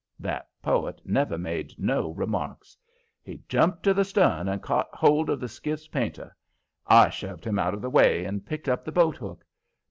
That poet never made no remarks. He jumped to the stern and caught hold of the skiff's painter. I shoved him out of the way and picked up the boat hook.